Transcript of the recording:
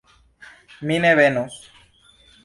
Mi ne venos.